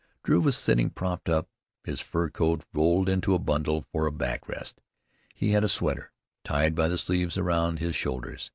Drew was sitting propped up, his fur coat rolled into a bundle for a back rest. He had a sweater, tied by the sleeves, around his shoulders.